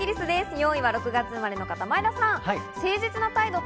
４位は６月生まれの方、前田さん。